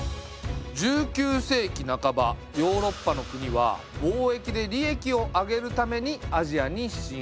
１９世紀半ばヨーロッパの国は貿易で利益を上げるためにアジアに進出。